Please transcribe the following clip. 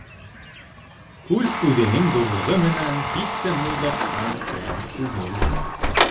Күл үҙенең ҙурлығы менән һис тә Мулдаҡтан кәм түгел.